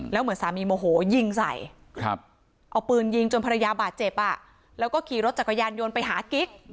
แล้วเหมือนสามีโมโหยิงใส่เอาปืนยิงจนภรรยาบาดเจ็บแล้วก็ขี่รถจักรยานยนต์ไปหากิ๊ก